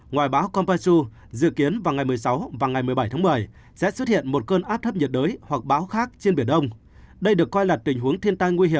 ngoài báo kampaisu dự kiến vào ngày một mươi sáu và ngày một mươi bảy tháng một mươi sẽ xuất hiện một cơn áp thấp nhiệt đới hoặc báo khác trên biển đông